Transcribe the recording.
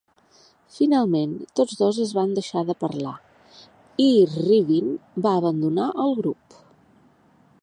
Finalment, tots dos es van deixar de parlar, i Rybin va abandonar el grup.